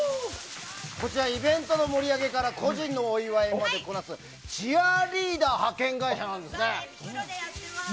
こちら、イベントの盛り上げから個人のお祝いまでこなすチアリーダー派遣会社なんですね。